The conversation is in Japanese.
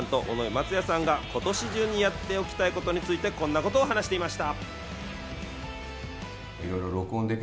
インタビューでは諏訪部さんと尾上松也さんが今年中にやっておきたいことについて、こんなことを話していました。